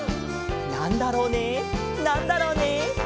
「なんだろうねなんだろうね」